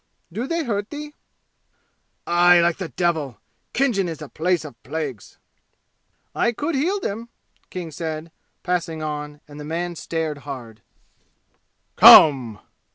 "Do they hurt thee?" "Aye, like the devil! Khinjan is a place of plagues!" "I could heal them," King said, passing on, and the man stared hard. "Come!"